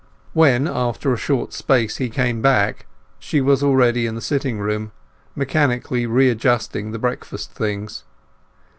When, after a short space, he came back she was already in the sitting room mechanically readjusting the breakfast things.